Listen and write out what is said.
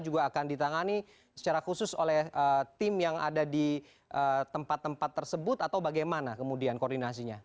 juga akan ditangani secara khusus oleh tim yang ada di tempat tempat tersebut atau bagaimana kemudian koordinasinya